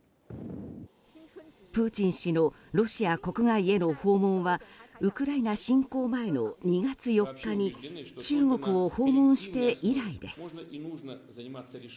プーチン氏のロシア国外への訪問はウクライナ侵攻前の２月４日に中国を訪問して以来です。